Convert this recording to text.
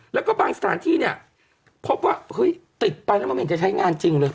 แล้วก็บางสถานที่เนี่ยพบว่าเฮ้ยติดไปแล้วมันไม่เห็นจะใช้งานจริงเลย